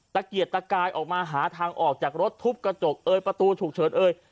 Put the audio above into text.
ตะเกียดตะกายออกมาหาทางออกจากรถทุบกระจกเอยประตูฉุกเฉินเอ่ย